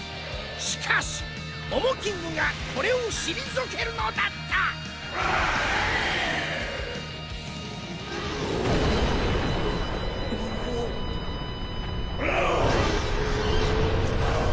しかしモモキングがこれを退けるのだったうぉ！